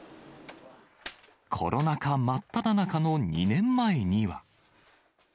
コロナ禍真っただ中の２年前には。